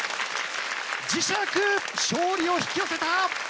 磁石勝利を引き寄せた！